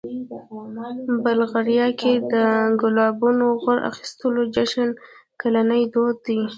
بلغاریا کې د ګلابونو غوړ اخیستلو جشن کلنی دود دی.